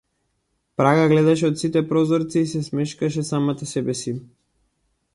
Прага гледаше од сите прозорци и си се смешкаше самата себеси.